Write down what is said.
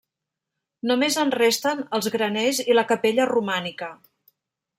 Només en resten els graners i la capella romànica.